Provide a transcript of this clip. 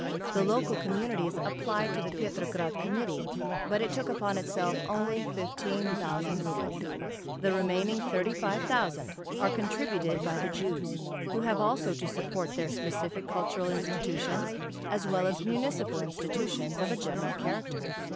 The local communities applied to the Petrograd Committee, but it took upon itself only fifteen thousand rubles. The remaining thirty five thousand are contributed by the Jews, who have also to support their specific cultural institutions as well as municipal institutions of a general character.